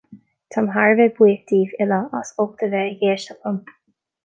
Táim thar a bheith buíoch daoibh uile as ucht a bheith ag éisteacht liom